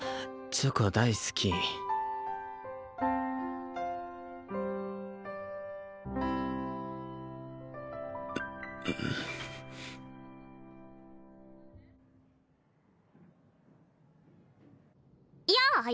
チョコ大好きやあ歩